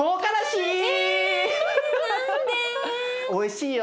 おいしいよ。